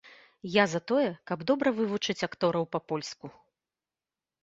Я за тое, каб добра вывучыць актораў па-польску!